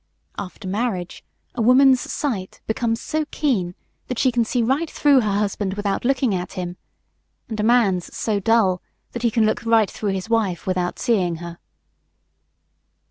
After marriage, a woman's sight becomes so keen that she can see right through her husband without looking at him, and a man's so dull that he can look right through his wife without seeing her.